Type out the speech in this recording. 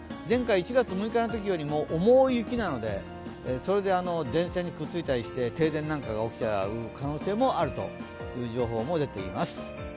前回１月６日のときよりも重い雪なのでそれで電線にくっついたりして停電が起きる可能性もあるという情報も出ています。